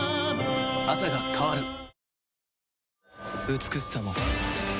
美しさも